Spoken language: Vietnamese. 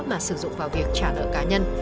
mà sử dụng vào việc trả nợ cá nhân